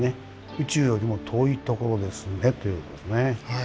宇宙よりも遠いところですね」ということですね。